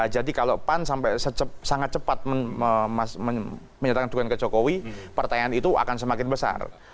jadi kalau pan sangat cepat menyatakan dukungan ke jokowi pertanyaan itu akan semakin besar